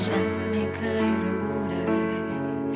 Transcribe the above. ฉันไม่เคยรู้เลย